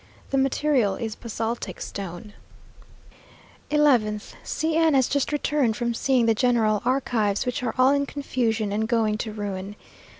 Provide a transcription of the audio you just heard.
The material is basaltic stone. 11th. C n has just returned from seeing the general archives, which are all in confusion and going to ruin.